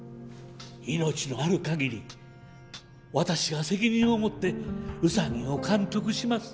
命のある限り私が責任を持ってウサギを監督します。